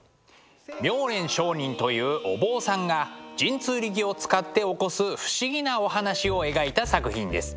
命蓮上人というお坊さんが神通力を使って起こす不思議なお話を描いた作品です。